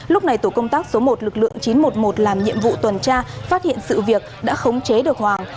lúc này tổ công tác số một lực lượng chín trăm một mươi một làm nhiệm vụ tuần tra phát hiện sự việc đã khống chế được hoàng